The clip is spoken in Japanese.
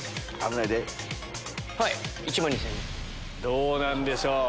どうなんでしょう。